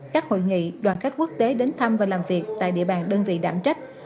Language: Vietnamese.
các hội nghị đoàn khách quốc tế đến thăm và làm việc tại địa bàn đơn vị đảm trách